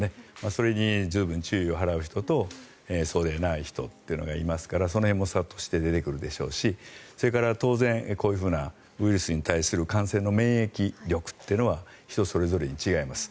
それに十分注意を払う人とそうでない人というのがいますからその辺も差として出てくるでしょうしそれから当然こういうふうなウイルスの感染に対する免疫というのが人それぞれに違います。